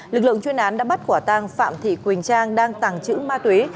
lực lượng chuyên án đã bắt quả tang phạm thị quỳnh trang đang tàng trữ ma túy